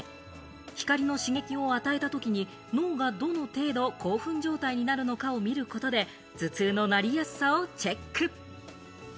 光の刺激を与えたときに脳がどの程度、興奮状態になるのかを診ることで頭痛のなりやすさをチェック。